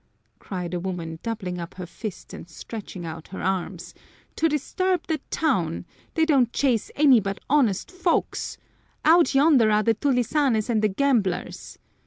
cried a woman, doubling up her fists and stretching out her arms. "To disturb the town! They don't chase any but honest folks! Out yonder are the tulisanes and the gamblers.